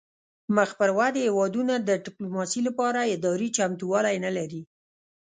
مخ پر ودې هیوادونه د ډیپلوماسي لپاره اداري چمتووالی نلري